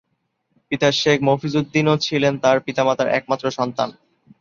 পিতা শেখ মফিজউদ্দীনও ছিলেন তাঁর পিতামাতার একমাত্র সন্তান।